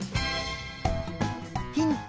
ヒント